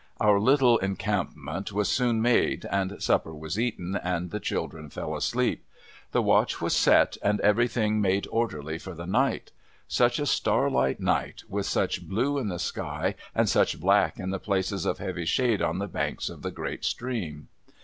Our little encampment was soon made, and supper was eaten, and the children fell asleep. The watch was set, and everything made orderly for the night. Such a starlight night, with such blue in the sky, and such black in the places of heavy shade on the banks of the great stream